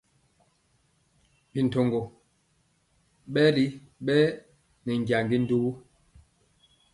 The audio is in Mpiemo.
Bi ntugɔ ɓɛli ɓɛ nɛ jandi ndugu.